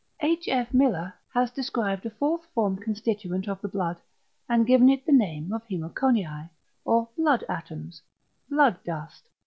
H. F. Müller has described a fourth formed constituent of the blood, and given it the name of "=hæmoconiæ=" or "=blood atoms=," "blood dust."